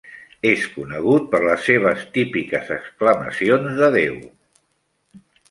És conegut per les seves típiques exclamacions d'"Adéu!".